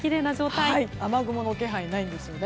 雨雲の気配もないんですね。